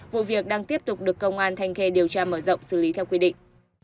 vụ việc đang tiếp tục được công an thanh khê điều tra mở rộng xử lý theo quy định